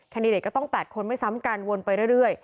เนตก็ต้อง๘คนไม่ซ้ำกันวนไปเรื่อย